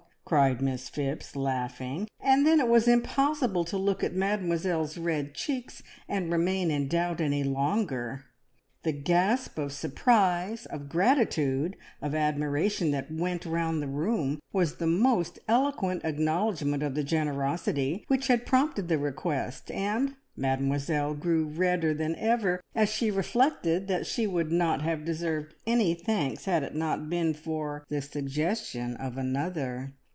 cried Miss Phipps, laughing; and then it was impossible to look at Mademoiselle's red cheeks and remain in doubt any longer. The gasp of surprise, of gratitude, of admiration that went round the room was the most eloquent acknowledgment of the generosity which had prompted the request, and Mademoiselle grew redder than ever, as she reflected that she would not have deserved any thanks had it not been for the suggestion of another.